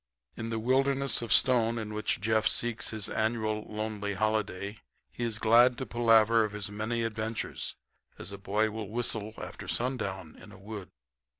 In the wilderness of stone in which Jeff seeks his annual lonely holiday he is glad to palaver of his many adventures, as a boy will whistle after sundown in a wood.